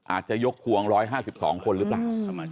อาจจะยกพวง๑๕๒คนหรือเปล่า